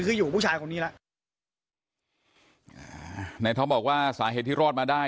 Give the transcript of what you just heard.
คืออยู่กับผู้ชายคนนี้แล้วอ่าในท็อปบอกว่าสาเหตุที่รอดมาได้